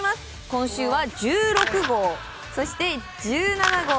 今週は１６号そして１７号。